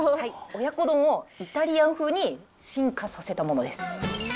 親子丼をイタリアン風に進化させたものです。